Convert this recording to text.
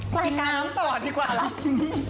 กินน้ำต่อดีกว่าล่ะจริมมี่